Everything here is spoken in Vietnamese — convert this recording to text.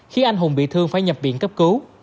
khiến anh hùng bị thương phải nhập viện cấp cứu